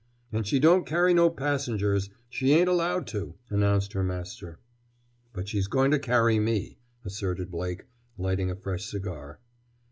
"And she don't carry no passengers—she ain't allowed to," announced her master. "But she's going to carry me," asserted Blake, lighting a fresh cigar.